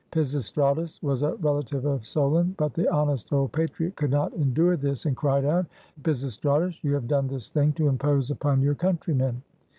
Pisistratus was a relative of Solon, but the honest old patriot could not endure this, and he cried out, "Pisistratus, you have done this thing to impose upon your countrymen."